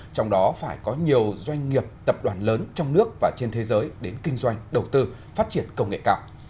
trong đó phải có nhiều doanh nghiệp tập đoàn lớn trong nước và trên thế giới đến kinh doanh đầu tư phát triển công nghệ cao